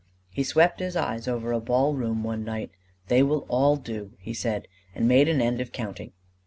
He swept his eyes over a ball room one night: "They will all do!" he said, and made an end of counting.